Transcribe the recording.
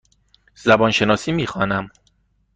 زبان شناسی می خوانم.